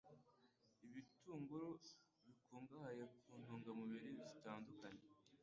Ibitunguru bikungahaye ku ntungamubiri zitandukanye,